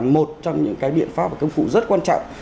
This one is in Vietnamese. một trong những cái biện pháp và công cụ rất quan trọng